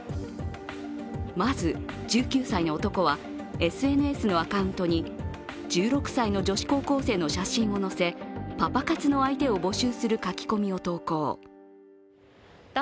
まず、１９歳の男はＳＮＳのアカウントに１６歳の女子高校生の写真を載せパパ活の相手を募集する書き込みを投稿。